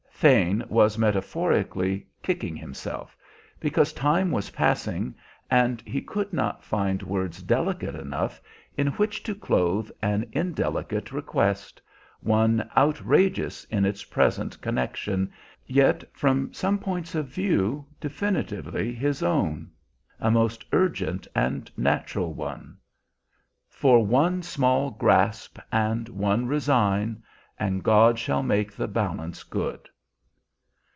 Thane was metaphorically "kicking himself" because time was passing and he could not find words delicate enough in which to clothe an indelicate request, one outrageous in its present connection, yet from some points of view, definitively his own, a most urgent and natural one. "For one shall grasp, and one resign, And God shall make the balance good."